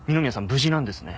無事なんですね？